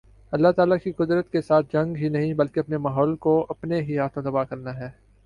اللہ تعالی کی قدرت کے ساتھ جنگ ہی نہیں بلکہ اپنے ماحول کو اپنے ہی ہاتھوں تباہ کرنا ہے